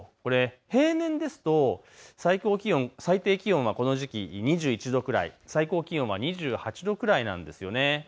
平年ですと最低気温はこの時期２１度くらい、最高気温は２８度くらいなんです。